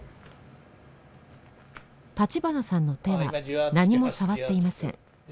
立花さんの手は何も触っていません。